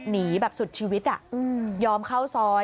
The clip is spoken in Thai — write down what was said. หนีแบบสุดชีวิตอะ